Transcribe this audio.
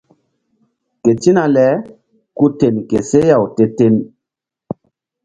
Ketina le ku ten ke seh-aw te-ten.